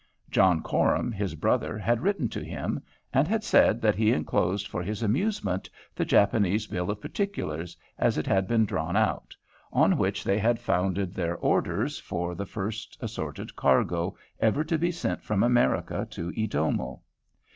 John Coram, his brother, had written to him, and had said that he enclosed for his amusement the Japanese bill of particulars, as it had been drawn out, on which they had founded their orders for the first assorted cargo ever to be sent from America to Edomo.